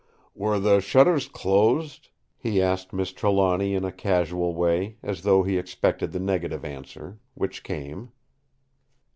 "Were the shutters closed?" he asked Miss Trelawny in a casual way as though he expected the negative answer, which came.